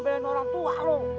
lu belain orang tua lu